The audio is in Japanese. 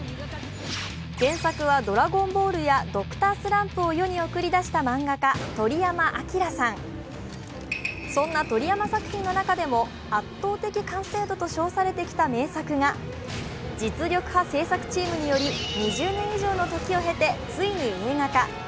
原作は「ドラゴンボール」や「Ｄｒ．スランプ」を世に送り出した漫画家・鳥山明さんそんな鳥山作品の中でも圧倒的完成度と称されてきた名作が実力派制作チームにより２０年以上の時を経て、ついに映画化。